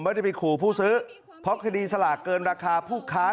ไม่ได้ไปขู่ผู้ซื้อเพราะคดีสลากเกินราคาผู้ค้า